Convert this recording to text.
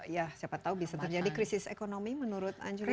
ya siapa tau bisa terjadi krisis ekonomi menurut anjurina